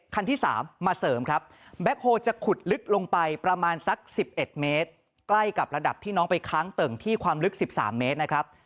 กับระดับที่น้องไปค้างเติ่งที่ความลึก๑๓เมตรนะครับ